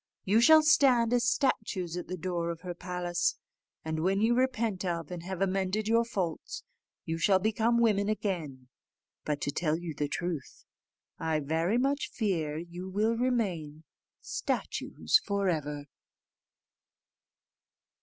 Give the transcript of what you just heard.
You shall stand as statues at the door of her palace, and when you repent of and have amended your faults, you shall become women again. But, to tell you the truth, I very much fear you will remain statues for ever."